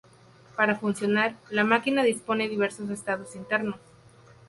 Para funcionar, la máquina dispone diversos estados internos.